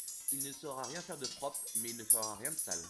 Il ne saura rien faire de propre,… mais il ne fera rien de sale.